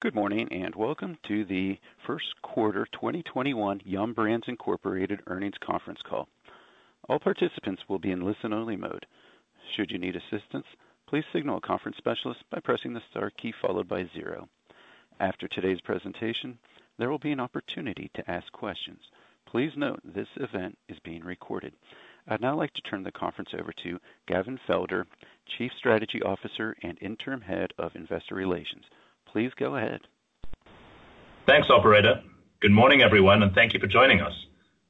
Good morning. Welcome to the first quarter 2021 Yum! Brands, Inc. earnings conference call. All participants will be in listen only mode. Should you need assistance, please signal a conference specialist by pressing the star key followed by zero. After today's presentation, there will be an opportunity to ask questions. Please note this event is being recorded. I'd now like to turn the conference over to Gavin Felder, Chief Strategy Officer and Interim Head of Investor Relations. Please go ahead. Thanks, operator. Good morning, everyone, and thank you for joining us.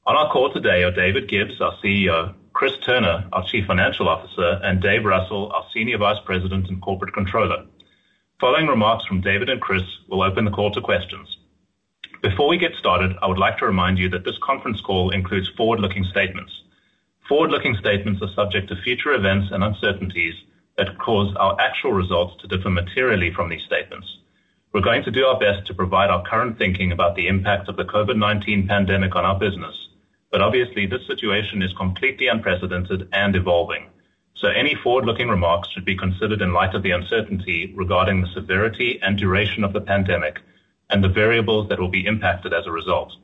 On our call today are David Gibbs, our CEO, Chris Turner, our Chief Financial Officer, and David Russell, our Senior Vice President and Corporate Controller. Following remarks from David and Chris, we'll open the call to questions. Before we get started, I would like to remind you that this conference call includes forward-looking statements. Forward-looking statements are subject to future events and uncertainties that cause our actual results to differ materially from these statements. We're going to do our best to provide our current thinking about the impact of the COVID-19 pandemic on our business, obviously this situation is completely unprecedented and evolving. Any forward-looking remarks should be considered in light of the uncertainty regarding the severity and duration of the pandemic and the variables that will be impacted as a result.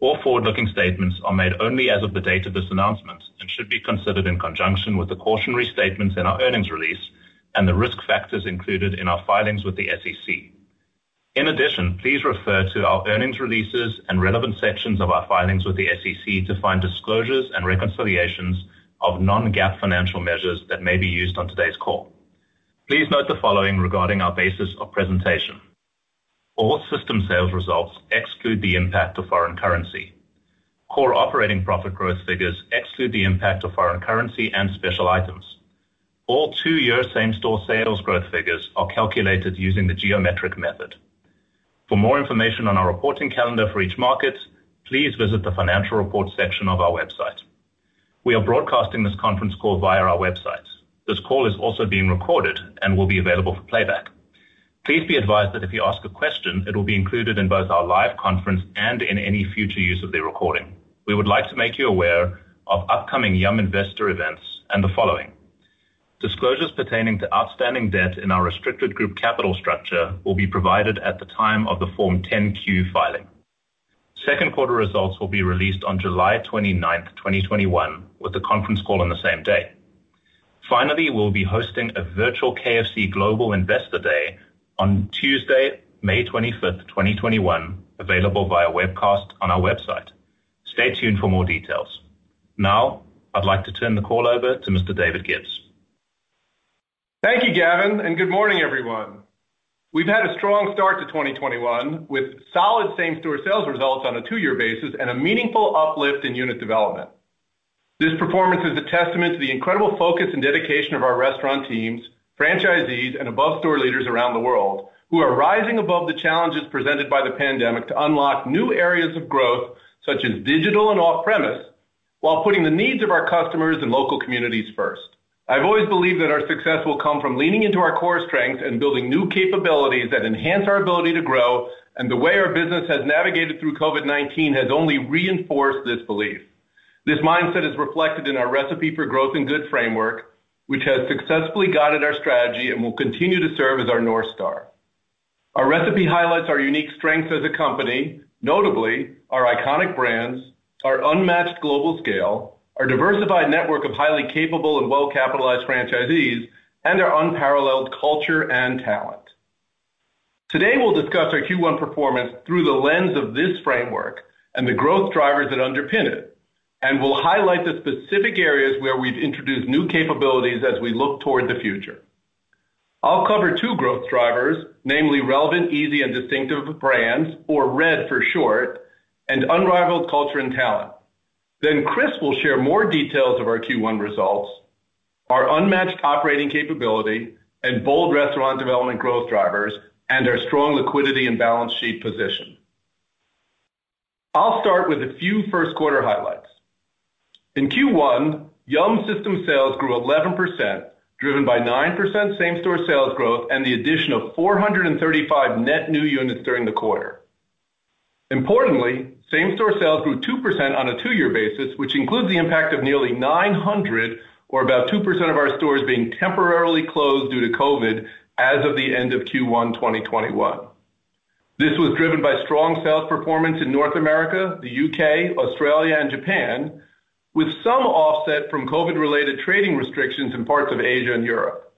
All forward-looking statements are made only as of the date of this announcement and should be considered in conjunction with the cautionary statements in our earnings release and the risk factors included in our filings with the SEC. In addition, please refer to our earnings releases and relevant sections of our filings with the SEC to find disclosures and reconciliations of non-GAAP financial measures that may be used on today's call. Please note the following regarding our basis of presentation. All system sales results exclude the impact of foreign currency. Core operating profit growth figures exclude the impact of foreign currency and special items. All two-year same-store sales growth figures are calculated using the geometric method. For more information on our reporting calendar for each market, please visit the financial report section of our website. We are broadcasting this conference call via our website. This call is also being recorded and will be available for playback. Please be advised that if you ask a question, it will be included in both our live conference and in any future use of the recording. We would like to make you aware of upcoming Yum investor events and the following. Disclosures pertaining to outstanding debt in our restricted group capital structure will be provided at the time of the Form 10-Q filing. Second quarter results will be released on July 29th, 2021, with the conference call on the same day. Finally, we'll be hosting a virtual KFC Global Investor Day on Tuesday, May 25th, 2021, available via webcast on our website. Stay tuned for more details. Now I'd like to turn the call over to Mr. David Gibbs. Thank you, Gavin. Good morning, everyone. We've had a strong start to 2021 with solid same-store sales results on a two-year basis and a meaningful uplift in unit development. This performance is a testament to the incredible focus and dedication of our restaurant teams, franchisees, and above store leaders around the world who are rising above the challenges presented by the pandemic to unlock new areas of growth, such as digital and off-premise, while putting the needs of our customers and local communities first. I've always believed that our success will come from leaning into our core strengths and building new capabilities that enhance our ability to grow. The way our business has navigated through COVID-19 has only reinforced this belief. This mindset is reflected in our Recipe for Growth and Good framework, which has successfully guided our strategy and will continue to serve as our North Star. Our recipe highlights our unique strengths as a company, notably our iconic brands, our unmatched global scale, our diversified network of highly capable and well-capitalized franchisees, and our unparalleled culture and talent. Today, we'll discuss our Q1 performance through the lens of this framework and the growth drivers that underpin it, and we'll highlight the specific areas where we've introduced new capabilities as we look toward the future. I'll cover two growth drivers, namely Relevant, Easy, and Distinctive brands, or RED for short, and unrivaled culture and talent. Chris will share more details of our Q1 results, our unmatched operating capability and bold restaurant development growth drivers, and our strong liquidity and balance sheet position. I'll start with a few first quarter highlights. In Q1, Yum! system sales grew 11%, driven by 9% same-store sales growth and the addition of 435 net new-units during the quarter. Same store sales grew 2% on a two-year basis, which includes the impact of nearly 900, or about 2% of our stores being temporarily closed due to COVID-19 as of the end of Q1 2021. This was driven by strong sales performance in North America, the U.K., Australia, and Japan, with some offset from COVID-related trading restrictions in parts of Asia and Europe.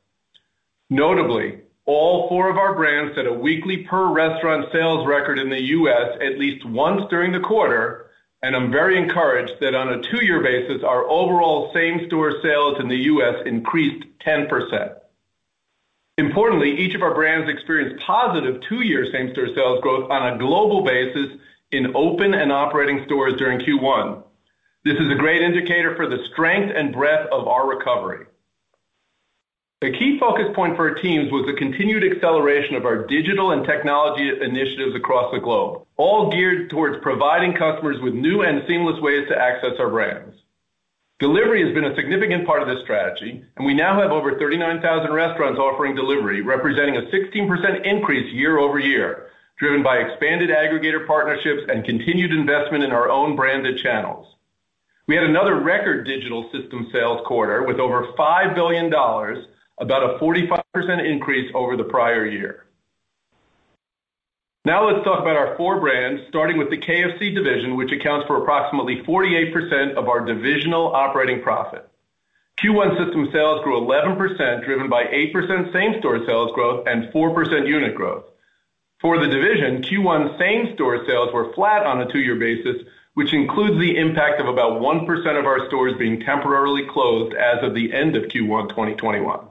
All four of our brands set a weekly per-restaurant sales record in the U.S. at least once during the quarter, and I'm very encouraged that on a two-year basis, our overall same-store sales in the U.S. increased 10%. Importantly, each of our brands experienced positive two-year same-store sales growth on a global basis in open and operating stores during Q1. This is a great indicator for the strength and breadth of our recovery. A key focus point for our teams was the continued acceleration of our digital and technology initiatives across the globe, all geared towards providing customers with new and seamless ways to access our brands. Delivery has been a significant part of this strategy, and we now have over 39,000 restaurants offering delivery, representing a 16% increase year over year, driven by expanded aggregator partnerships and continued investment in our own branded channels. We had another record digital system sales quarter with over $5 billion, about a 45% increase over the prior year. Now let's talk about our four brands, starting with the KFC division, which accounts for approximately 48% of our divisional operating profit. Q1 system sales grew 11%, driven by 8% same-store sales growth and 4% unit growth. For the division, Q1 same-store sales were flat on a two-year basis, which includes the impact of about 1% of our stores being temporarily closed as of the end of Q1 2021.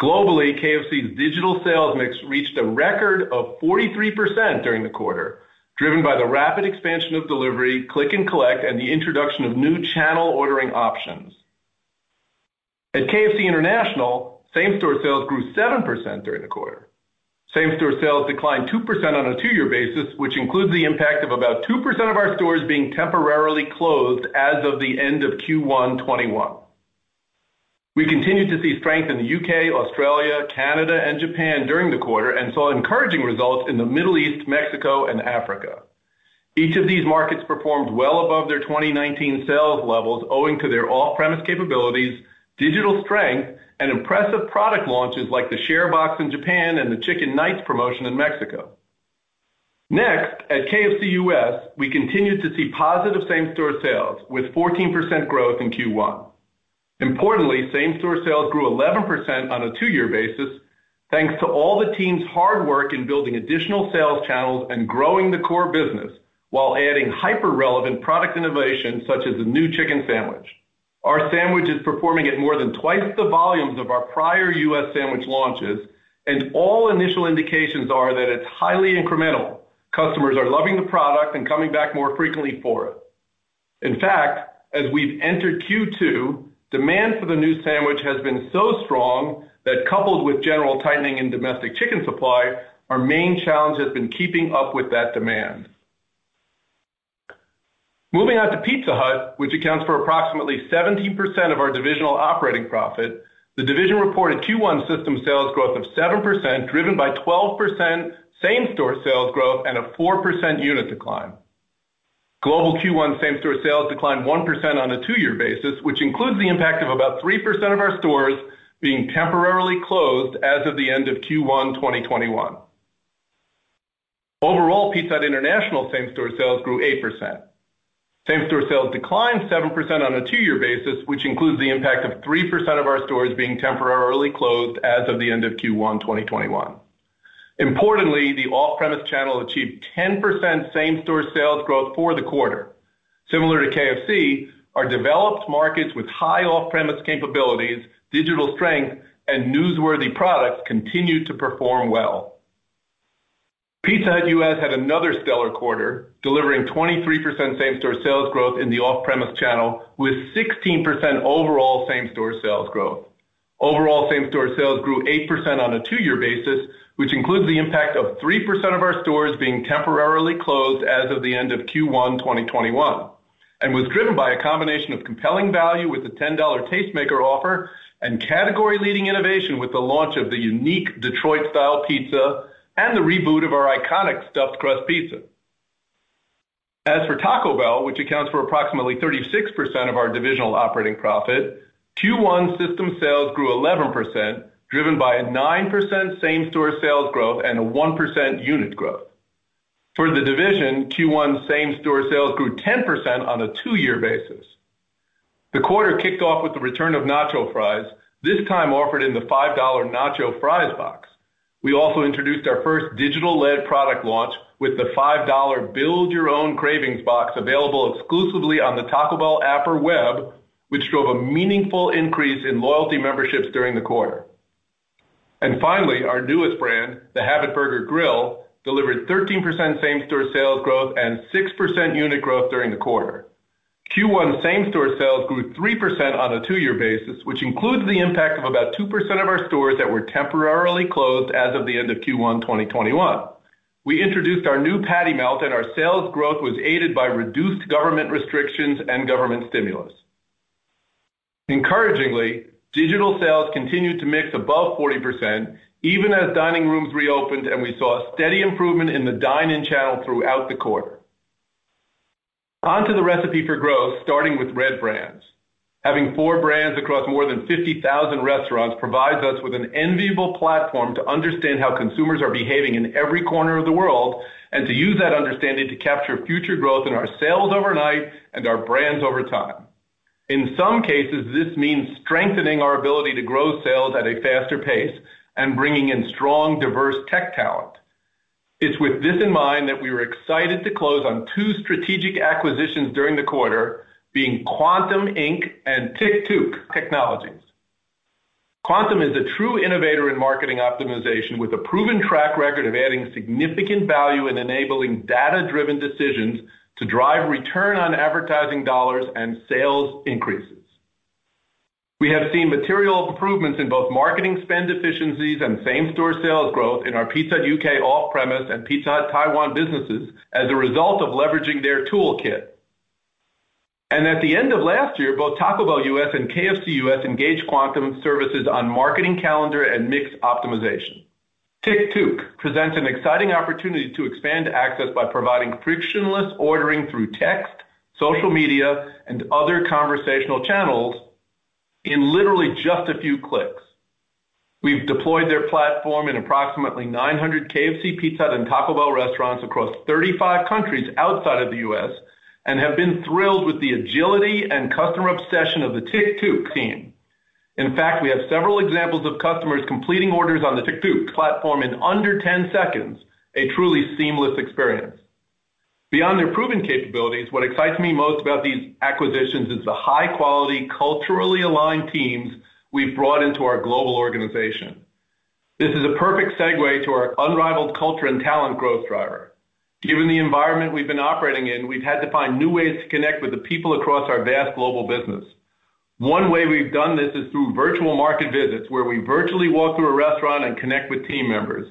Globally, KFC's digital sales mix reached a record of 43% during the quarter, driven by the rapid expansion of delivery, click and collect, and the introduction of new channel ordering options. At KFC International, same-store sales grew 7% during the quarter. Same-store sales declined 2% on a two-year basis, which includes the impact of about 2% of our stores being temporarily closed as of the end of Q1 2021. We continued to see strength in the U.K., Australia, Canada, and Japan during the quarter, and saw encouraging results in the Middle East, Mexico, and Africa. Each of these markets performed well above their 2019 sales levels owing to their off-premise capabilities, digital strength, and impressive product launches like the Share Box in Japan and the Chicken Nights promotion in Mexico. Next, at KFC U.S., we continued to see positive same-store sales with 14% growth in Q1. Importantly, same-store sales grew 11% on a two-year basis, thanks to all the team's hard work in building additional sales channels and growing the core business, while adding hyper-relevant product innovation, such as the new chicken sandwich. Our sandwich is performing at more than twice the volumes of our prior U.S. sandwich launches, and all initial indications are that it's highly incremental. Customers are loving the product and coming back more frequently for it. In fact, as we've entered Q2, demand for the new sandwich has been so strong that coupled with general tightening in domestic chicken supply, our main challenge has been keeping up with that demand. Moving on to Pizza Hut, which accounts for approximately 17% of our divisional operating profit, the division reported Q1 system sales growth of 7%, driven by 12% same-store sales growth and a 4% unit decline. Global Q1 same-store sales declined 1% on a two-year basis, which includes the impact of about 3% of our stores being temporarily closed as of the end of Q1 2021. Overall, Pizza Hut International same-store sales grew 8%. Same-store sales declined 7% on a two-year basis, which includes the impact of 3% of our stores being temporarily closed as of the end of Q1 2021. Importantly, the off-premise channel achieved 10% same-store sales growth for the quarter. Similar to KFC, our developed markets with high off-premise capabilities, digital strength, and newsworthy products continued to perform well. Pizza Hut U.S. had another stellar quarter, delivering 23% same-store sales growth in the off-premise channel with 16% overall same-store sales growth. Overall same-store sales grew 8% on a two-year basis, which includes the impact of 3% of our stores being temporarily closed as of the end of Q1 2021, and was driven by a combination of compelling value with the $10 Tastemaker offer and category-leading innovation with the launch of the unique Detroit-Style Pizza and the reboot of our iconic Stuffed Crust Pizza. As for Taco Bell, which accounts for approximately 36% of our divisional operating profit, Q1 system sales grew 11%, driven by a 9% same-store sales growth and a 1% unit growth. For the division, Q1 same-store sales grew 10% on a two-year basis. The quarter kicked off with the return of Nacho Fries, this time offered in the $5 Nacho Fries Box. We also introduced our first digital-led product launch with the $5 Build Your Own Cravings Box, available exclusively on the Taco Bell app or web, which drove a meaningful increase in loyalty memberships during the quarter. Finally, our newest brand, The Habit Burger Grill, delivered 13% same-store sales growth and 6% unit growth during the quarter. Q1 same-store sales grew 3% on a two-year basis, which includes the impact of about 2% of our stores that were temporarily closed as of the end of Q1 2021. We introduced our new Patty Melt, our sales growth was aided by reduced government restrictions and government stimulus. Encouragingly, digital sales continued to mix above 40%, even as dining rooms reopened, and we saw a steady improvement in the dine-in channel throughout the quarter. On to the Recipe for Growth and Good, starting with RED brands. Having four brands across more than 50,000 restaurants provides us with an enviable platform to understand how consumers are behaving in every corner of the world, and to use that understanding to capture future growth in our sales overnight and our brands over time. In some cases, this means strengthening our ability to grow sales at a faster pace and bringing in strong, diverse tech talent. It's with this in mind that we were excited to close on two strategic acquisitions during the quarter, being Kvantum, Inc. and Tictuk Technologies. Kvantum is a true innovator in marketing optimization, with a proven track record of adding significant value and enabling data-driven decisions to drive return on advertising dollars and sales increases. We have seen material improvements in both marketing spend efficiencies and same-store sales growth in our Pizza Hut U.K. off-premise and Pizza Hut Taiwan businesses as a result of leveraging their toolkit. At the end of last year, both Taco Bell U.S. and KFC U.S. engaged Kvantum services on marketing calendar and mix optimization. Tictuk presents an exciting opportunity to expand access by providing frictionless ordering through text, social media, and other conversational channels in literally just a few clicks. We've deployed their platform in approximately 900 KFC, Pizza Hut, and Taco Bell restaurants across 35 countries outside of the U.S. and have been thrilled with the agility and customer obsession of the Tictuk team. In fact, we have several examples of customers completing orders on the Tictuk platform in under 10 seconds. A truly seamless experience. Beyond their proven capabilities, what excites me most about these acquisitions is the high-quality, culturally aligned teams we've brought into our global organization. This is a perfect segue to our unrivaled culture and talent growth driver. Given the environment we've been operating in, we've had to find new ways to connect with the people across our vast global business. One way we've done this is through virtual market visits, where we virtually walk through a restaurant and connect with team members.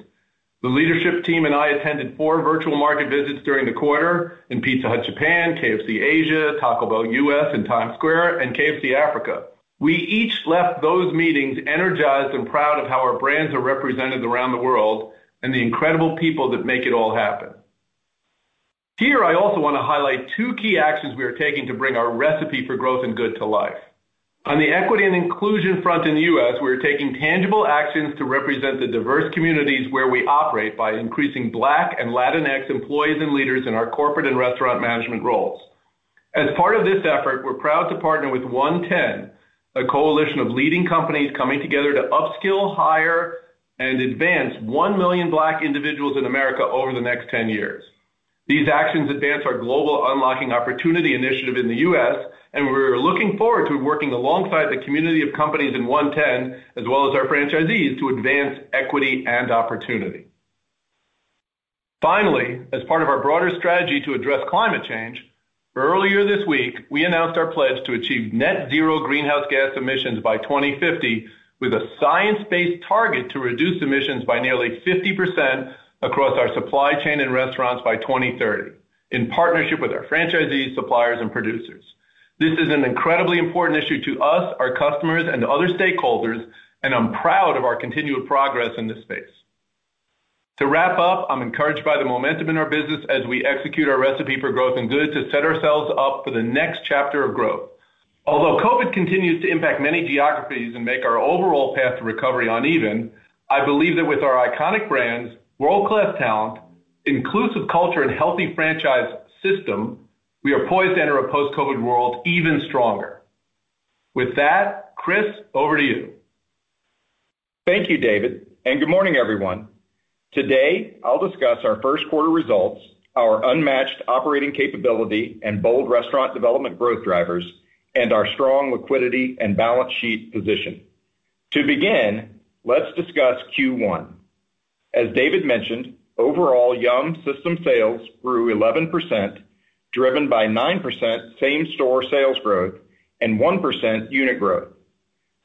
The leadership team and I attended four virtual market visits during the quarter in Pizza Hut Japan, KFC Asia, Taco Bell U.S. in Times Square, and KFC Africa. We each left those meetings energized and proud of how our brands are represented around the world and the incredible people that make it all happen. Here, I also want to highlight two key actions we are taking to bring our Recipe for Growth and Good to life. On the equity and inclusion front in the U.S., we are taking tangible actions to represent the diverse communities where we operate by increasing Black and Latinx employees and leaders in our corporate and restaurant management roles. As part of this effort, we're proud to partner with OneTen, a coalition of leading companies coming together to upskill, hire, and advance 1 million Black individuals in America over the next 10 years. These actions advance our global Unlocking Opportunity Initiative in the U.S. We're looking forward to working alongside the community of companies in OneTen, as well as our franchisees, to advance equity and opportunity. Finally, as part of our broader strategy to address climate change, earlier this week, we announced our pledge to achieve net-zero greenhouse gas emissions by 2050 with a science-based target to reduce emissions by nearly 50% across our supply chain and restaurants by 2030 in partnership with our franchisees, suppliers, and producers. This is an incredibly important issue to us, our customers, and other stakeholders. I'm proud of our continued progress in this space. To wrap up, I'm encouraged by the momentum in our business as we execute our Recipe for Growth and Good to set ourselves up for the next chapter of growth. Although COVID continues to impact many geographies and make our overall path to recovery uneven, I believe that with our iconic brands, world-class talent, inclusive culture, and healthy franchise system, we are poised to enter a post-COVID world even stronger. With that, Chris, over to you. Thank you, David. Good morning, everyone. Today, I'll discuss our first quarter results, our unmatched operating capability, and bold restaurant development growth drivers, and our strong liquidity and balance sheet position. To begin, let's discuss Q1. As David mentioned, overall Yum! system sales grew 11%, driven by 9% same-store sales growth and 1% unit growth.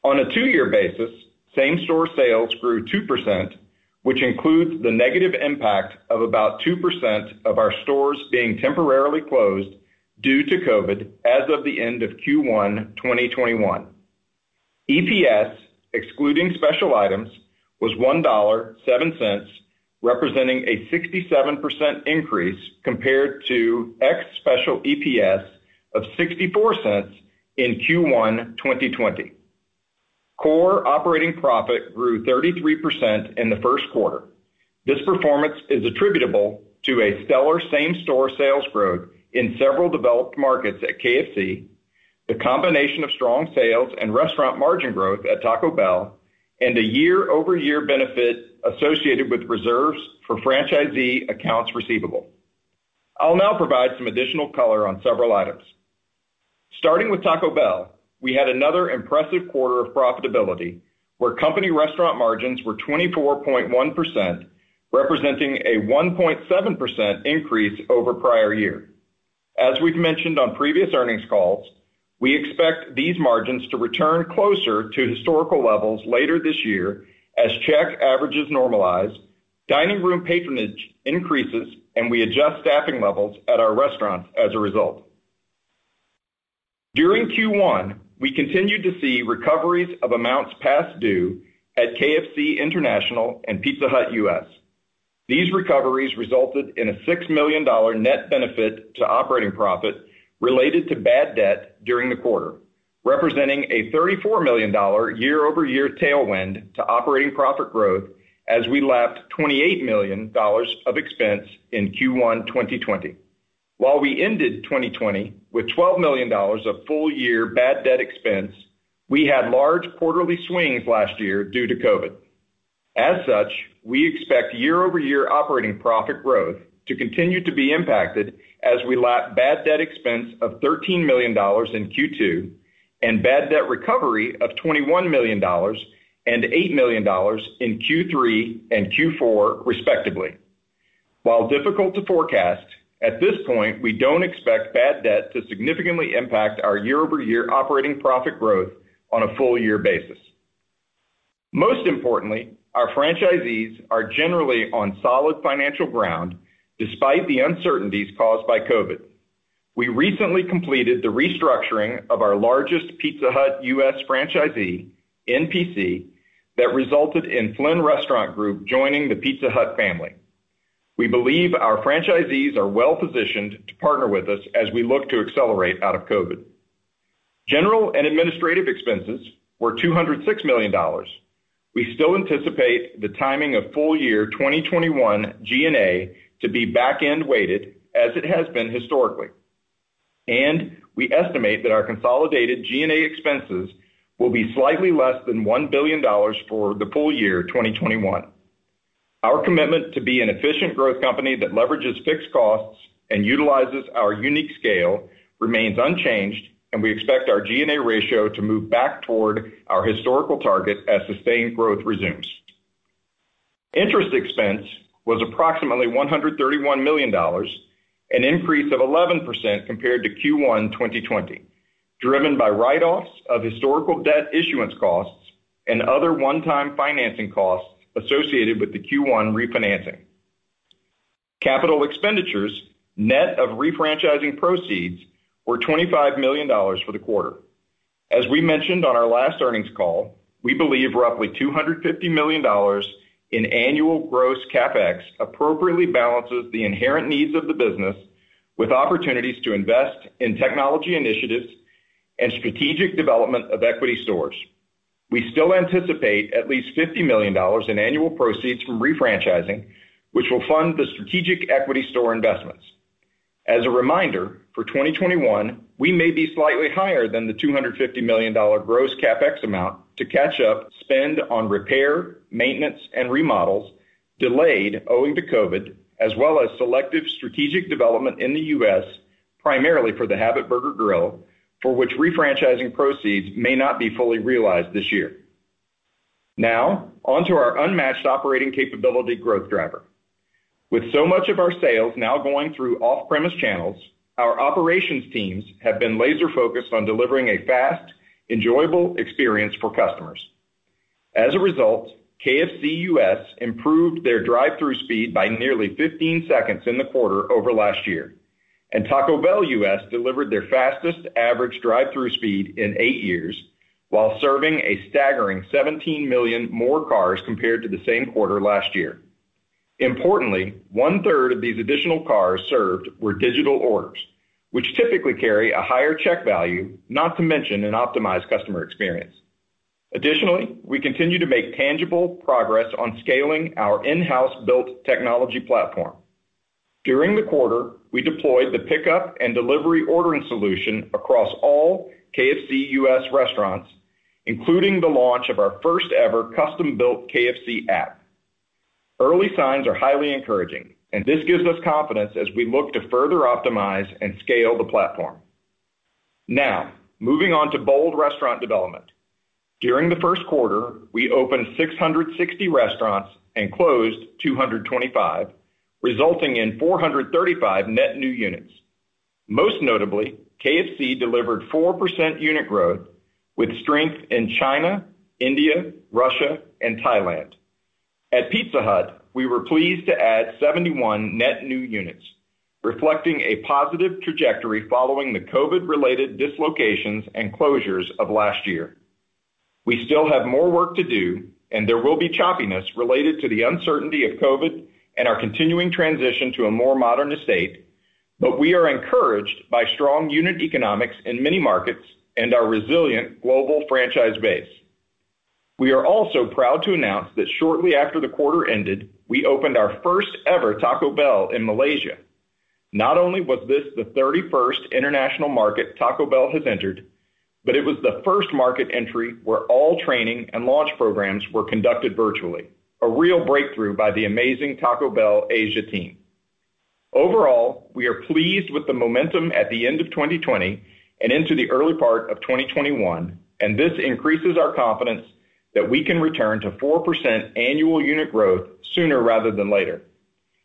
On a two-year basis, same-store sales grew 2%, which includes the negative impact of about 2% of our stores being temporarily closed due to COVID as of the end of Q1 2021. EPS, excluding special items, was $1.07, representing a 67% increase compared to ex-special EPS of $0.64 in Q1 2020. Core operating profit grew 33% in the first quarter. This performance is attributable to a stellar same-store sales growth in several developed markets at KFC, the combination of strong sales and restaurant margin growth at Taco Bell, and a year-over-year benefit associated with reserves for franchisee accounts receivable. I'll now provide some additional color on several items. Starting with Taco Bell, we had another impressive quarter of profitability where company restaurant margins were 24.1%, representing a 1.7% increase over prior year. As we've mentioned on previous earnings calls, we expect these margins to return closer to historical levels later this year as check averages normalize, dining room patronage increases, and we adjust staffing levels at our restaurants as a result. During Q1, we continued to see recoveries of amounts past due at KFC International and Pizza Hut U.S. These recoveries resulted in a $6 million net benefit to operating profit related to bad debt during the quarter, representing a $34 million year-over-year tailwind to operating profit growth as we lapped $28 million of expense in Q1 2020. While we ended 2020 with $12 million of full-year bad debt expense, we had large quarterly swings last year due to COVID. As such, we expect year-over-year operating profit growth to continue to be impacted as we lap bad debt expense of $13 million in Q2 and bad debt recovery of $21 million and $8 million in Q3 and Q4, respectively. While difficult to forecast, at this point, we don't expect bad debt to significantly impact our year-over-year operating profit growth on a full-year basis. Most importantly, our franchisees are generally on solid financial ground despite the uncertainties caused by COVID. We recently completed the restructuring of our largest Pizza Hut U.S. franchisee, NPC International, that resulted in Flynn Restaurant Group joining the Pizza Hut family. We believe our franchisees are well-positioned to partner with us as we look to accelerate out of COVID-19. General and administrative expenses were $206 million. We still anticipate the timing of full year 2021 G&A to be back-end weighted, as it has been historically. We estimate that our consolidated G&A expenses will be slightly less than $1 billion for the full-year 2021. Our commitment to be an efficient growth company that leverages fixed costs and utilizes our unique scale remains unchanged, and we expect our G&A ratio to move back toward our historical target as sustained growth resumes. Interest expense was approximately $131 million, an increase of 11% compared to Q1 2020, driven by write-offs of historical debt issuance costs and other one-time financing costs associated with the Q1 refinancing. Capital expenditures, net of refranchising proceeds, were $25 million for the quarter. As we mentioned on our last earnings call, we believe roughly $250 million in annual gross CapEx appropriately balances the inherent needs of the business with opportunities to invest in technology initiatives and strategic development of equity stores. We still anticipate at least $50 million in annual proceeds from refranchising, which will fund the strategic equity store investments. As a reminder, for 2021, we may be slightly higher than the $250 million gross CapEx amount to catch up spend on repair, maintenance, and remodels delayed owing to COVID, as well as selective strategic development in the U.S., primarily for The Habit Burger Grill, for which refranchising proceeds may not be fully realized this year. Now, on to our unmatched operating capability growth driver. With so much of our sales now going through off-premise channels, our operations teams have been laser-focused on delivering a fast, enjoyable experience for customers. As a result, KFC U.S. improved their drive-thru speed by nearly 15 seconds in the quarter over last year. Taco Bell U.S. delivered their fastest average drive-thru speed in eight years while serving a staggering 17 million more cars compared to the same quarter last year. Importantly, one-third of these additional cars served were digital orders, which typically carry a higher check value, not to mention an optimized customer experience. We continue to make tangible progress on scaling our in-house built technology platform. During the quarter, we deployed the pickup and delivery ordering solution across all KFC U.S. restaurants, including the launch of our first-ever custom-built KFC App. Early signs are highly encouraging, and this gives us confidence as we look to further optimize and scale the platform. Moving on to bold restaurant development. During the first quarter, we opened 660 restaurants and closed 225, resulting in 435 net new units. Most notably, KFC delivered 4% unit growth with strength in China, India, Russia, and Thailand. At Pizza Hut, we were pleased to add 71 net new units, reflecting a positive trajectory following the COVID-related dislocations and closures of last year. We still have more work to do, and there will be choppiness related to the uncertainty of COVID and our continuing transition to a more modern estate, but we are encouraged by strong unit economics in many markets and our resilient global franchise base. We are also proud to announce that shortly after the quarter ended, we opened our first-ever Taco Bell in Malaysia. Not only was this the 31st international market Taco Bell has entered, but it was the first market entry where all training and launch programs were conducted virtually. A real breakthrough by the amazing Taco Bell Asia team. Overall, we are pleased with the momentum at the end of 2020 and into the early part of 2021, and this increases our confidence that we can return to 4% annual unit growth sooner rather than later.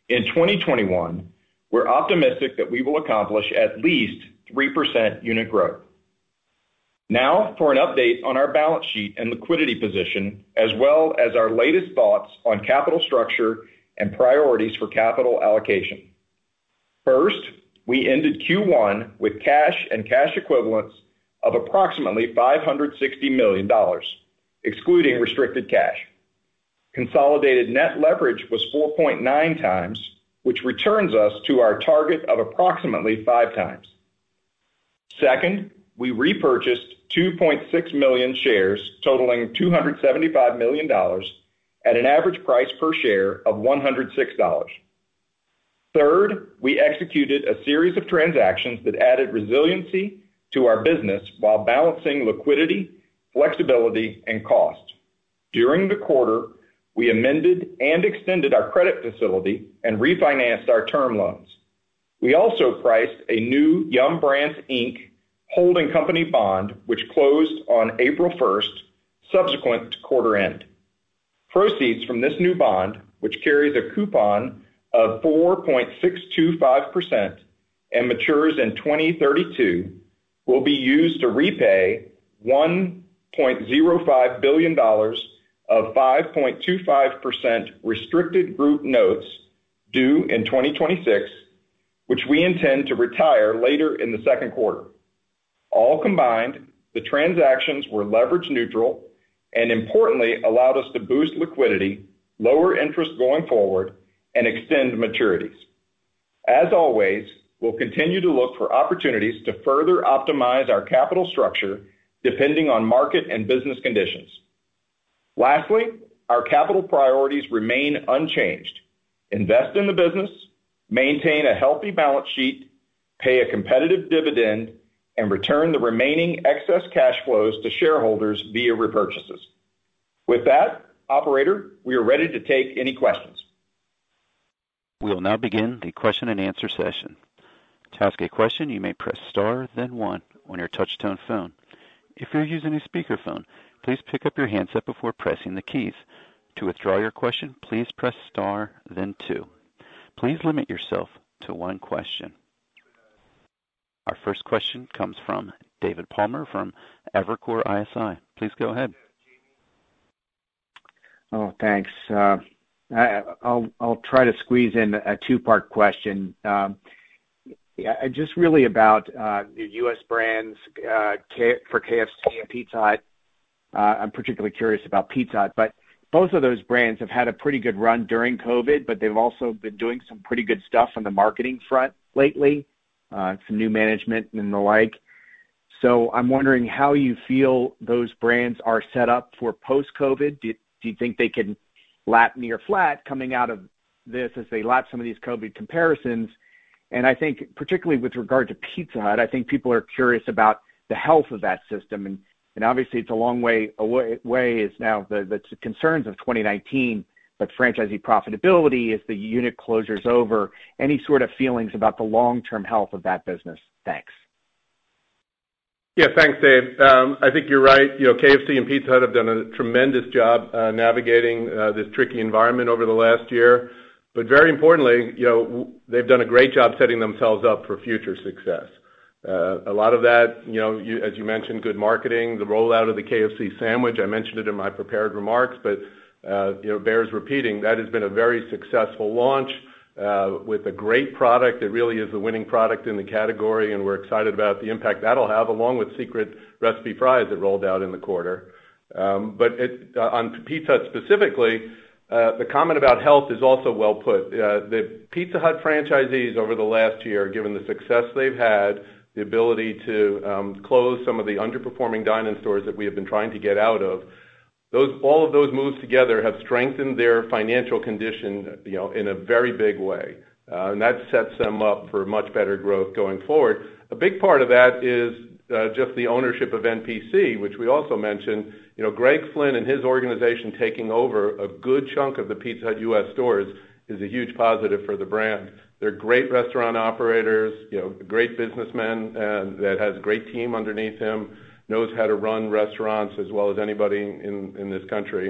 In 2021, we're optimistic that we will accomplish at least 3% unit growth. For an update on our balance sheet and liquidity position, as well as our latest thoughts on capital structure and priorities for capital allocation. First, we ended Q1 with cash and cash equivalents of approximately $560 million, excluding restricted cash. Consolidated net leverage was 4.9x, which returns us to our target of approximately 5x. Second, we repurchased 2.6 million shares totaling $275 million at an average price per share of $106. Third, we executed a series of transactions that added resiliency to our business while balancing liquidity, flexibility, and cost. During the quarter, we amended and extended our credit facility and refinanced our term loans. We also priced a new Yum! Brands, Inc. holding company bond, which closed on April 1st, subsequent to quarter end. Proceeds from this new bond, which carries a coupon of 4.625% and matures in 2032. Will be used to repay $1.05 billion of 5.25% restricted group notes due in 2026, which we intend to retire later in the second quarter. All combined, the transactions were leverage neutral, and importantly, allowed us to boost liquidity, lower interest going forward, and extend maturities. As always, we'll continue to look for opportunities to further optimize our capital structure, depending on market and business conditions. Lastly, our capital priorities remain unchanged. Invest in the business, maintain a healthy balance sheet, pay a competitive dividend, and return the remaining excess cash flows to shareholders via repurchases. With that, operator, we are ready to take any questions. We will now begin the question and answer session. To ask a question, you may press star then one on your touchtone phone. If you're using a speakerphone, please pick up your handset before pressing the keys. To withdraw your question, please press star then two. Please limit yourself to one question. Our first question comes from David Palmer from Evercore ISI. Please go ahead. Oh, thanks. I'll try to squeeze in a two-part question. Just really about the U.S. brands for KFC and Pizza Hut. I'm particularly curious about Pizza Hut, but both of those brands have had a pretty good run during COVID, but they've also been doing some pretty good stuff on the marketing front lately, some new management and the like. I'm wondering how you feel those brands are set up for post-COVID. Do you think they can lap near flat coming out of this as they lap some of these COVID comparisons? I think particularly with regard to Pizza Hut, I think people are curious about the health of that system. Obviously it's a long way as now the concerns of 2019, but franchisee profitability, is the unit closures over, any sort of feelings about the long-term health of that business? Thanks. Yeah. Thanks, Dave. I think you're right. KFC and Pizza Hut have done a tremendous job navigating this tricky environment over the last year. Very importantly, they've done a great job setting themselves up for future success. A lot of that, as you mentioned, good marketing, the rollout of the KFC sandwich. I mentioned it in my prepared remarks, bears repeating. That has been a very successful launch, with a great product. It really is a winning product in the category, we're excited about the impact that'll have, along with Secret Recipe Fries that rolled out in the quarter. On Pizza Hut specifically, the comment about health is also well put. The Pizza Hut franchisees over the last year, given the success they've had, the ability to close some of the underperforming dine-in stores that we have been trying to get out of, all of those moves together have strengthened their financial condition in a very big way. That sets them up for much better growth going forward. A big part of that is just the ownership of NPC, which we also mentioned. Greg Flynn and his organization taking over a good chunk of the Pizza Hut U.S. stores is a huge positive for the brand. They're great restaurant operators, great businessmen that has great team underneath him, knows how to run restaurants as well as anybody in this country.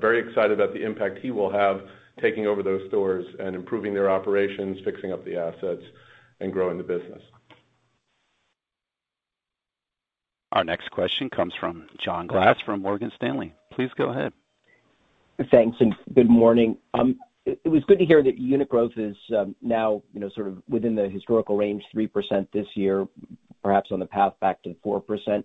Very excited about the impact he will have taking over those stores and improving their operations, fixing up the assets and growing the business. Our next question comes from John Glass from Morgan Stanley. Please go ahead. Thanks, good morning. It was good to hear that unit growth is now sort of within the historical range, 3% this year, perhaps on the path back to 4%.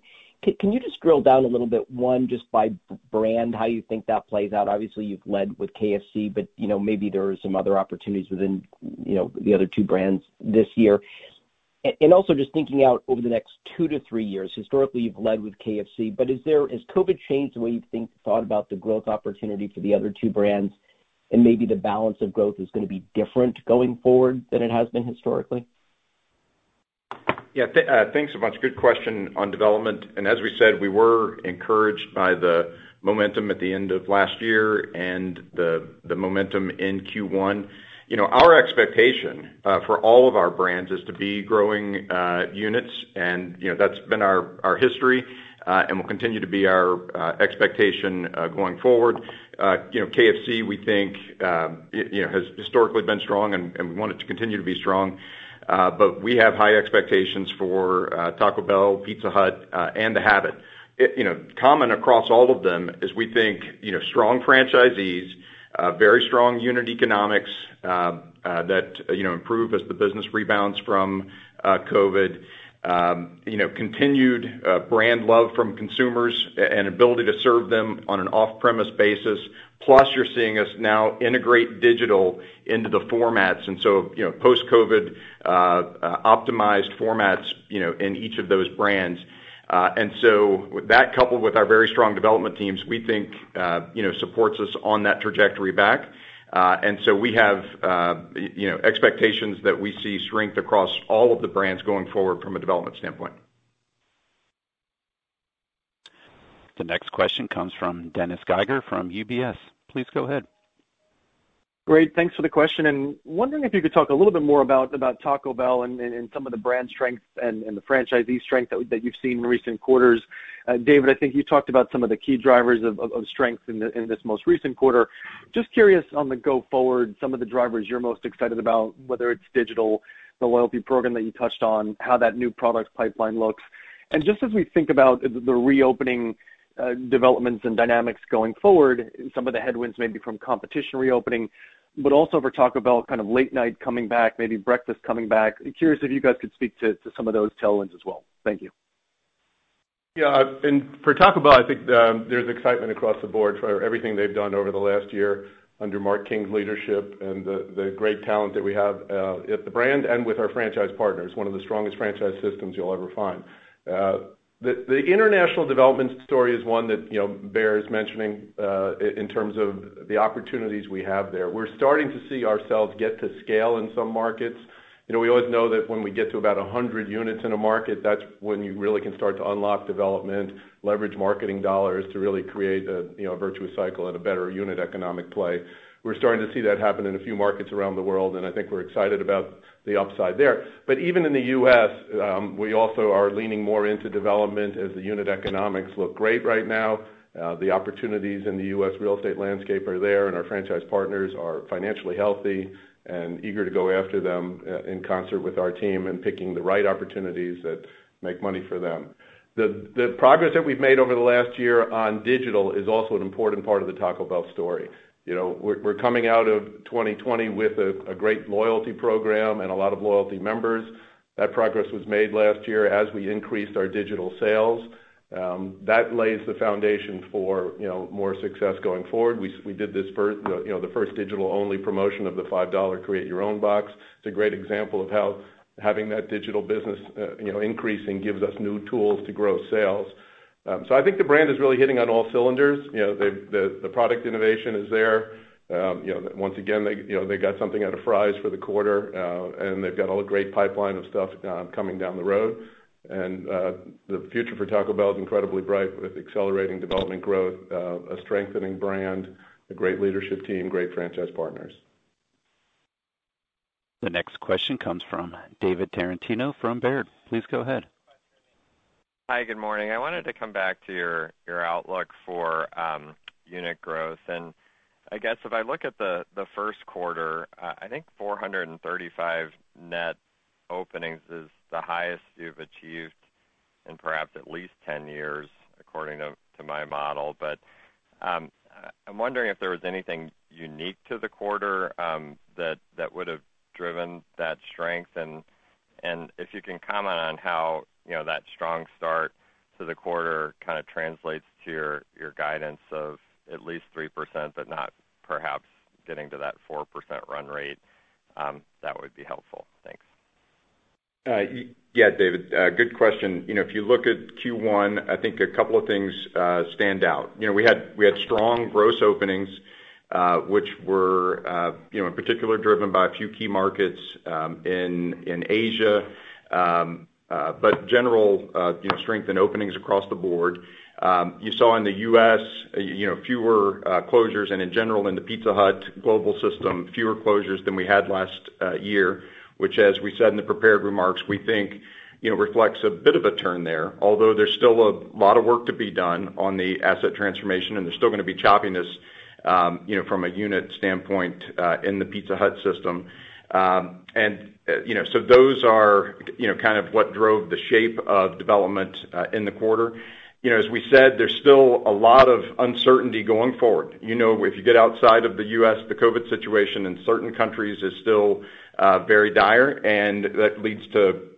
Can you just drill down a little bit, one, just by brand, how you think that plays out? Obviously, you've led with KFC, but maybe there are some other opportunities within the other two brands this year. Also just thinking out over the next two to three years. Historically, you've led with KFC, but has COVID changed the way you thought about the growth opportunity for the other two brands, and maybe the balance of growth is going to be different going forward than it has been historically? Yeah. Thanks so much. Good question on development. As we said, we were encouraged by the momentum at the end of last year and the momentum in Q1. Our expectation for all of our brands is to be growing units, and that's been our history, and will continue to be our expectation going forward. KFC, we think, has historically been strong and we want it to continue to be strong. We have high expectations for Taco Bell, Pizza Hut, and The Habit. Common across all of them is we think, strong franchisees, very strong unit economics that improve as the business rebounds from COVID-19. Continued brand love from consumers and ability to serve them on an off-premise basis. Plus, you're seeing us now integrate digital into the formats, post-COVID optimized formats in each of those brands. That coupled with our very strong development teams, we think supports us on that trajectory back. We have expectations that we see strength across all of the brands going forward from a development standpoint. The next question comes from Dennis Geiger from UBS. Please go ahead. Great. Thanks for the question. Wondering if you could talk a little bit more about Taco Bell and some of the brand strengths and the franchisee strength that you've seen in recent quarters. David, I think you talked about some of the key drivers of strength in this most recent quarter. Just curious on the go forward, some of the drivers you're most excited about, whether it's digital, the loyalty program that you touched on, how that new product pipeline looks. Just as we think about the reopening developments and dynamics going forward, some of the headwinds maybe from competition reopening, but also for Taco Bell, late night coming back, maybe breakfast coming back. Curious if you guys could speak to some of those tailwinds as well. Thank you. For Taco Bell, I think there's excitement across the board for everything they've done over the last year under Mark King's leadership and the great talent that we have at the brand and with our franchise partners, one of the strongest franchise systems you'll ever find. The international development story is one that bears mentioning in terms of the opportunities we have there. We're starting to see ourselves get to scale in some markets. We always know that when we get to about 100 units in a market, that's when you really can start to unlock development, leverage marketing dollars to really create a virtuous cycle at a better unit economic play. We're starting to see that happen in a few markets around the world, and I think we're excited about the upside there. Even in the U.S., we also are leaning more into development as the unit economics look great right now. The opportunities in the U.S. real estate landscape are there, and our franchise partners are financially healthy and eager to go after them in concert with our team and picking the right opportunities that make money for them. The progress that we've made over the last year on digital is also an important part of the Taco Bell story. We're coming out of 2020 with a great loyalty program and a lot of loyalty members. That progress was made last year as we increased our digital sales. That lays the foundation for more success going forward. We did the first digital-only promotion of the $5 Build Your Own Box. It's a great example of how having that digital business increasing gives us new tools to grow sales. I think the brand is really hitting on all cylinders. The product innovation is there. Once again, they got something out of fries for the quarter, they've got a great pipeline of stuff coming down the road. The future for Taco Bell is incredibly bright with accelerating development growth, a strengthening brand, a great leadership team, great franchise partners. The next question comes from David Tarantino from Baird. Please go ahead. Hi, good morning. I wanted to come back to your outlook for unit growth. I guess if I look at the first quarter, I think 435 net openings is the highest you've achieved in perhaps at least 10 years, according to my model. I'm wondering if there was anything unique to the quarter that would have driven that strength, and if you can comment on how that strong start to the quarter translates to your guidance of at least 3% but not perhaps getting to that 4% run rate, that would be helpful. Thanks. Yeah, David, good question. If you look at Q1, I think a couple of things stand out. We had strong gross openings, which were in particular driven by a few key markets in Asia, but general strength in openings across the board. You saw in the U.S. fewer closures and in general in the Pizza Hut global system, fewer closures than we had last year, which as we said in the prepared remarks, we think reflects a bit of a turn there, although there's still a lot of work to be done on the asset transformation, and there's still going to be choppiness from a unit standpoint in the Pizza Hut system. Those are what drove the shape of development in the quarter. As we said, there's still a lot of uncertainty going forward. If you get outside of the U.S., the COVID situation in certain countries is still very dire, and that leads to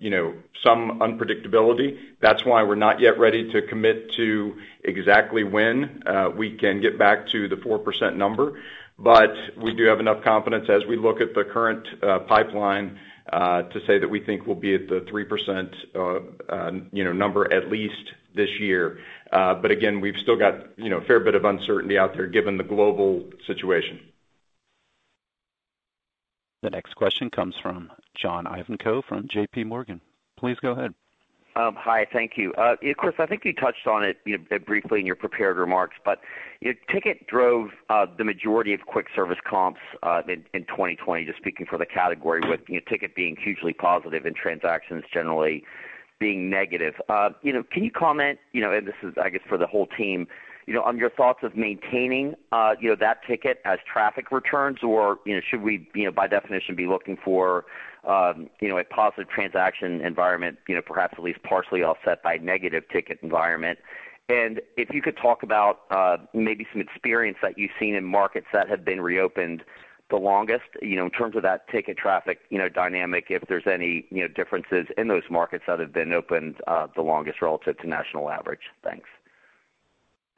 some unpredictability. That's why we're not yet ready to commit to exactly when we can get back to the 4% number. We do have enough confidence as we look at the current pipeline to say that we think we'll be at the 3% number at least this year. Again, we've still got a fair bit of uncertainty out there given the global situation. The next question comes from John Ivankoe from JPMorgan. Please go ahead. Hi, thank you. Chris, I think you touched on it briefly in your prepared remarks, ticket drove the majority of quick service comps in 2020, just speaking for the category with ticket being hugely positive and transactions generally being negative. Can you comment, and this is, I guess, for the whole team, on your thoughts of maintaining that ticket as traffic returns, or should we, by definition, be looking for a positive transaction environment perhaps at least partially offset by negative ticket environment? If you could talk about maybe some experience that you've seen in markets that have been reopened the longest, in terms of that ticket traffic dynamic, if there's any differences in those markets that have been opened the longest relative to national average. Thanks.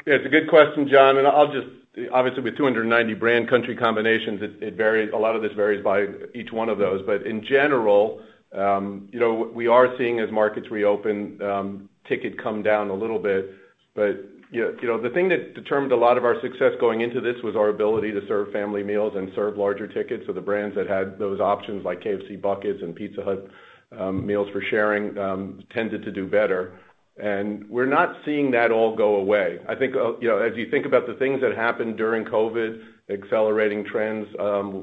Yeah, it's a good question, John. Obviously with 290 brand country combinations, a lot of this varies by each one of those. In general, we are seeing as markets reopen, ticket come down a little bit. The thing that determined a lot of our success going into this was our ability to serve family meals and serve larger tickets. The brands that had those options, like KFC buckets and Pizza Hut meals for sharing, tended to do better. We're not seeing that all go away. I think as you think about the things that happened during COVID, accelerating trends,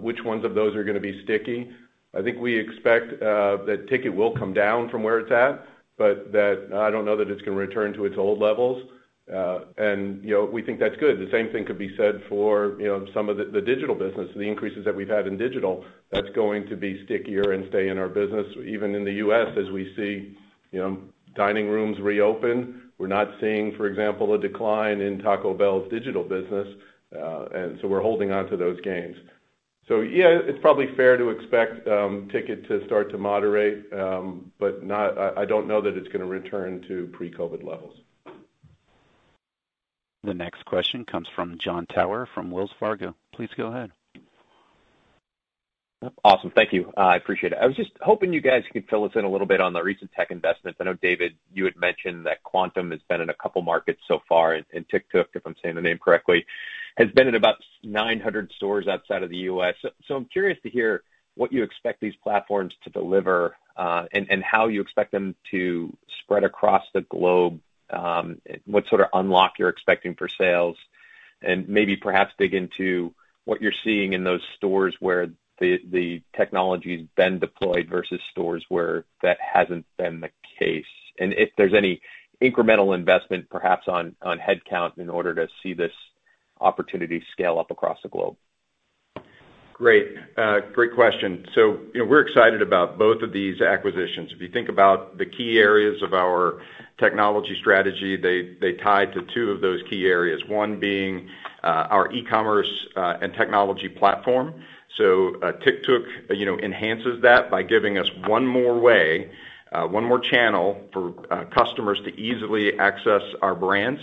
which ones of those are going to be sticky? I think we expect that ticket will come down from where it's at, but I don't know that it's going to return to its old levels. We think that's good. The same thing could be said for some of the digital business, the increases that we've had in digital, that's going to be stickier and stay in our business. Even in the U.S., as we see dining rooms reopen, we're not seeing, for example, a decline in Taco Bell's digital business. We're holding onto those gains. Yeah, it's probably fair to expect ticket to start to moderate, but I don't know that it's going to return to pre-COVID levels. The next question comes from Jon Tower from Wells Fargo. Please go ahead. Awesome. Thank you. I appreciate it. I was just hoping you guys could fill us in a little bit on the recent tech investments. I know, David, you had mentioned that Kvantum has been in a couple markets so far, and Tictuk, if I'm saying the name correctly, has been in about 900 stores outside of the U.S. I'm curious to hear what you expect these platforms to deliver, and how you expect them to spread across the globe, what sort of unlock you're expecting for sales, and maybe perhaps dig into what you're seeing in those stores where the technology's been deployed versus stores where that hasn't been the case. If there's any incremental investment, perhaps on headcount in order to see this opportunity scale up across the globe. Great question. We're excited about both of these acquisitions. If you think about the key areas of our technology strategy, they tie to two of those key areas, one being our e-commerce, and technology platform. Tictuk enhances that by giving us one more way, one more channel for customers to easily access our brands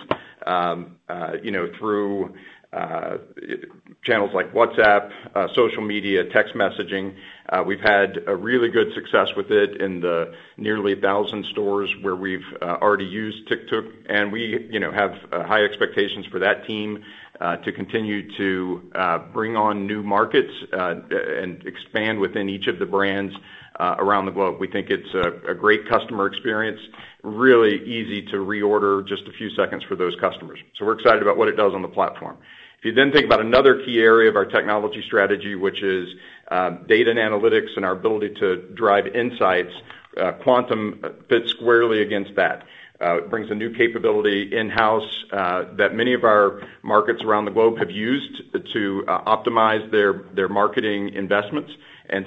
through channels like WhatsApp, social media, text messaging. We've had really good success with it in the nearly 1,000 stores where we've already used Tictuk, and we have high expectations for that team, to continue to bring on new markets, and expand within each of the brands around the globe. We think it's a great customer experience. Really easy to reorder, just a few seconds for those customers. We're excited about what it does on the platform. If you then think about another key area of our technology strategy, which is data and analytics and our ability to drive insights, Kvantum fits squarely against that. It brings a new capability in-house that many of our markets around the globe have used to optimize their marketing investments.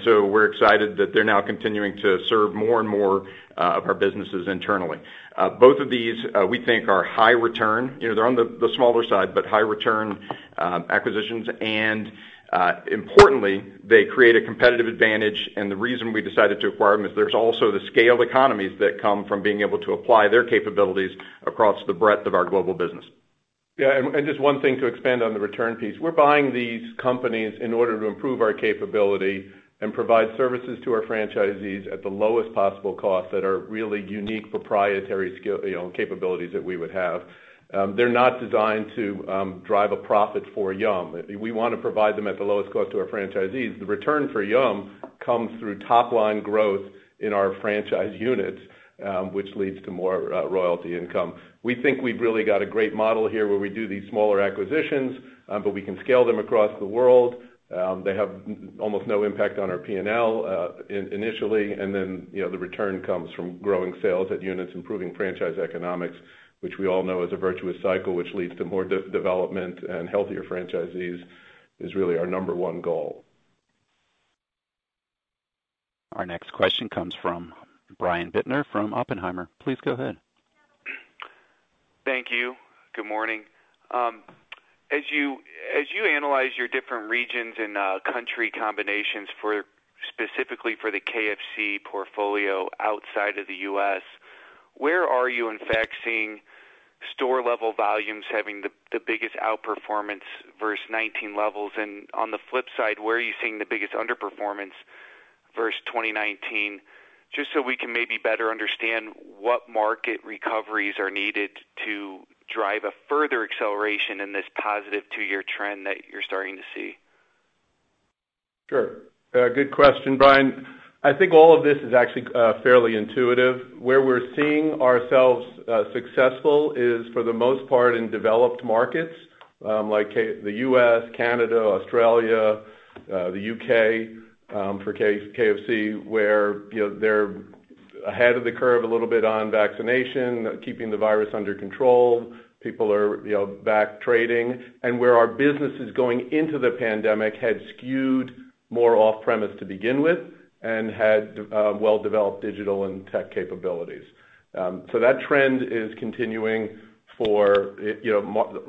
We're excited that they're now continuing to serve more and more of our businesses internally. Both of these, we think, are high return. They're on the smaller side, but high return acquisitions. Importantly, they create a competitive advantage. The reason we decided to acquire them is there's also the scaled economies that come from being able to apply their capabilities across the breadth of our global business. Just one thing to expand on the return piece. We're buying these companies in order to improve our capability and provide services to our franchisees at the lowest possible cost that are really unique, proprietary capabilities that we would have. They're not designed to drive a profit for Yum! We want to provide them at the lowest cost to our franchisees. The return for Yum! comes through top-line growth in our franchise units, which leads to more royalty income. We think we've really got a great model here where we do these smaller acquisitions, we can scale them across the world. They have almost no impact on our P&L initially. The return comes from growing sales at units, improving franchise economics, which we all know is a virtuous cycle, which leads to more development and healthier franchisees, is really our number one goal. Our next question comes from Brian Bittner from Oppenheimer. Please go ahead. Thank you. Good morning. As you analyze your different regions and country combinations specifically for the KFC portfolio outside of the U.S., where are you in fact seeing store-level volumes having the biggest outperformance versus 2019 levels? On the flip side, where are you seeing the biggest underperformance versus 2019, just so we can maybe better understand what market recoveries are needed to drive a further acceleration in this positive two-year trend that you're starting to see? Sure. Good question, Brian. I think all of this is actually fairly intuitive. Where we're seeing ourselves successful is, for the most part, in developed markets, like the U.S., Canada, Australia, the U.K., for KFC, where they're ahead of the curve a little bit on vaccination, keeping the virus under control. People are back trading. Where our business is going into the pandemic had skewed more off-premise to begin with and had well-developed digital and tech capabilities. That trend is continuing for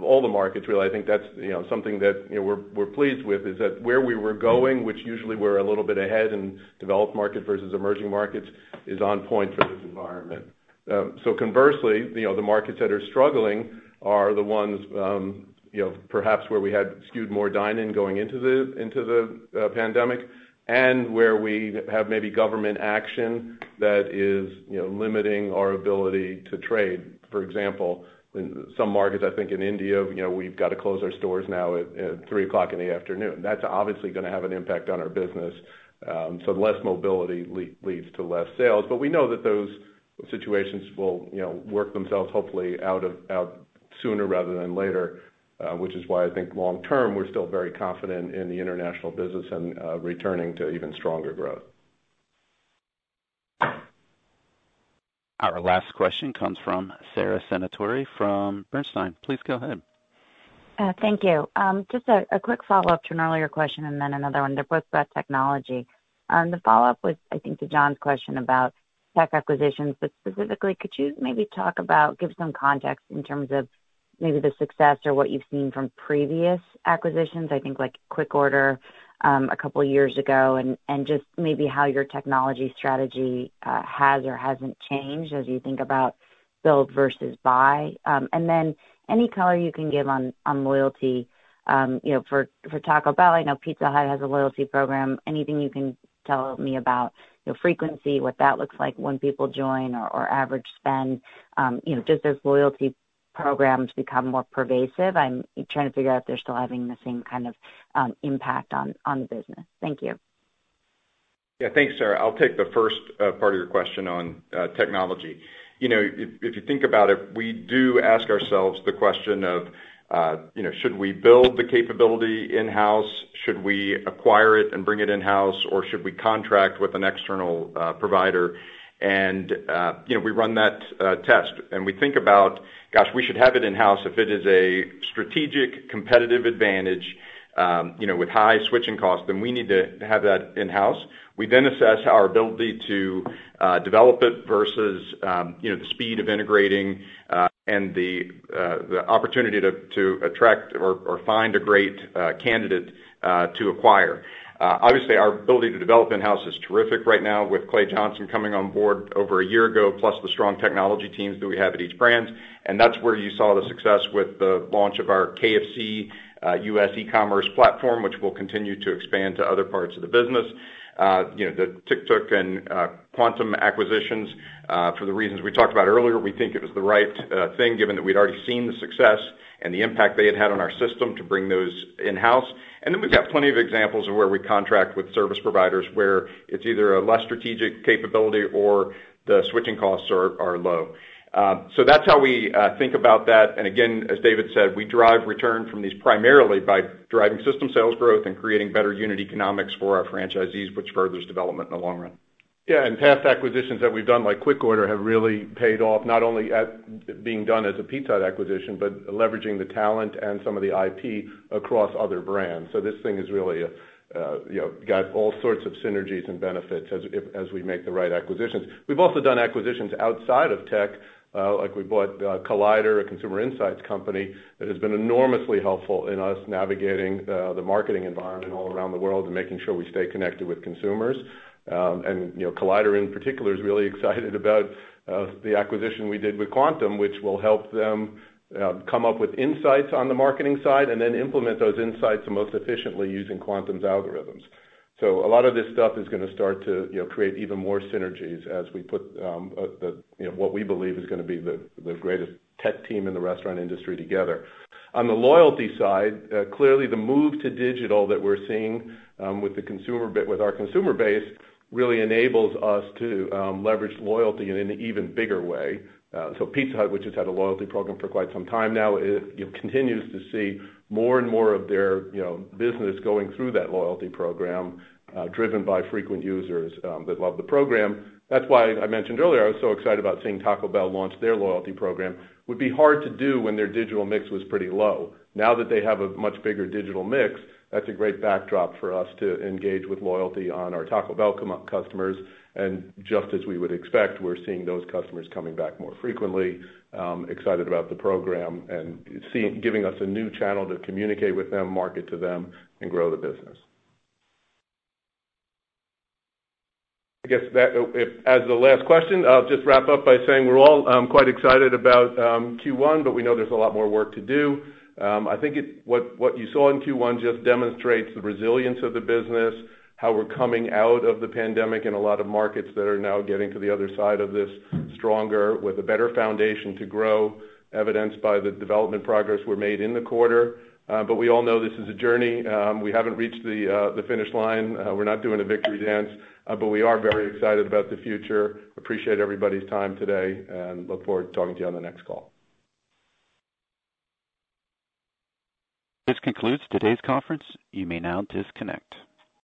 all the markets, really. I think that's something that we're pleased with, is that where we were going, which usually we're a little bit ahead in developed market versus emerging markets, is on point for this environment. Conversely, the markets that are struggling are the ones perhaps where we had skewed more dine-in going into the pandemic and where we have maybe government action that is limiting our ability to trade. For example, some markets, I think in India, we've got to close our stores now at three o'clock in the afternoon. That's obviously going to have an impact on our business. Less mobility leads to less sales. We know that those situations will work themselves hopefully out sooner rather than later, which is why I think long term, we're still very confident in the international business and returning to even stronger growth. Our last question comes from Sara Senatore from Bernstein. Please go ahead. Thank you. A quick follow-up to an earlier question and then another one. They're both about technology. The follow-up was, I think, to John's question about tech acquisitions. Specifically, could you maybe talk about, give some context in terms of maybe the success or what you've seen from previous acquisitions, I think like QuikOrder a couple years ago. Just maybe how your technology strategy has or hasn't changed as you think about build versus buy. Any color you can give on loyalty for Taco Bell. I know Pizza Hut has a loyalty program. Anything you can tell me about frequency, what that looks like when people join or average spend? As loyalty programs become more pervasive, I'm trying to figure out if they're still having the same kind of impact on the business. Thank you. Yeah, thanks, Sara. I'll take the first part of your question on technology. If you think about it, we do ask ourselves the question of should we build the capability in-house? Should we acquire it and bring it in-house? Should we contract with an external provider? We run that test, and we think about, gosh, we should have it in-house if it is a strategic competitive advantage with high switching costs, then we need to have that in-house. We then assess our ability to develop it versus the speed of integrating and the opportunity to attract or find a great candidate to acquire. Obviously, our ability to develop in-house is terrific right now with Clay Johnson coming on board over a year ago, plus the strong technology teams that we have at each brand. That's where you saw the success with the launch of our KFC U.S. e-commerce platform, which we'll continue to expand to other parts of the business. The Tictuk and Kvantum acquisitions for the reasons we talked about earlier, we think it was the right thing given that we'd already seen the success and the impact they had had on our system to bring those in-house. We've got plenty of examples of where we contract with service providers, where it's either a less strategic capability or the switching costs are low. That's how we think about that. As David said, we drive return from these primarily by driving system sales growth and creating better unit economics for our franchisees, which furthers development in the long run. Yeah, past acquisitions that we've done, like QuikOrder, have really paid off, not only at being done as a Pizza Hut acquisition, but leveraging the talent and some of the IP across other brands. This thing has really got all sorts of synergies and benefits as we make the right acquisitions. We've also done acquisitions outside of tech, like we bought Collider, a consumer insights company, that has been enormously helpful in us navigating the marketing environment all around the world and making sure we stay connected with consumers. Collider, in particular, is really excited about the acquisition we did with Kvantum, which will help them come up with insights on the marketing side and then implement those insights most efficiently using Kvantum's algorithms. A lot of this stuff is going to start to create even more synergies as we put what we believe is going to be the greatest tech team in the restaurant industry together. On the loyalty side, clearly the move to digital that we are seeing with our consumer base really enables us to leverage loyalty in an even bigger way. Pizza Hut, which has had a loyalty program for quite some time now, continues to see more and more of their business going through that loyalty program driven by frequent users that love the program. That is why I mentioned earlier I was so excited about seeing Taco Bell launch their loyalty program. It would be hard to do when their digital mix was pretty low. Now that they have a much bigger digital mix, that is a great backdrop for us to engage with loyalty on our Taco Bell customers. Just as we would expect, we're seeing those customers coming back more frequently, excited about the program, and giving us a new channel to communicate with them, market to them, and grow the business. I guess that as the last question, I'll just wrap up by saying we're all quite excited about Q1, but we know there's a lot more work to do. I think what you saw in Q1 just demonstrates the resilience of the business, how we're coming out of the pandemic in a lot of markets that are now getting to the other side of this stronger with a better foundation to grow, evidenced by the development progress we're made in the quarter. We all know this is a journey. We haven't reached the finish line. We're not doing a victory dance. We are very excited about the future. Appreciate everybody's time today and look forward to talking to you on the next call. This concludes today's conference. You may now disconnect.